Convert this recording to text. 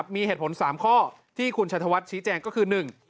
มีเหตุผล๓ข้อที่คุณชัยธวัฒน์ชี้แจงก็คือ๑